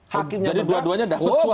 jadi dua duanya dapat suap